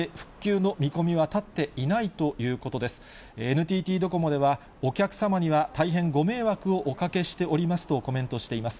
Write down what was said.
ＮＴＴドコモでは、お客様には大変ご迷惑をおかけしておりますとコメントしています。